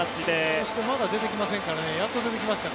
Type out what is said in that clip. そしてまだ出てきませんからね。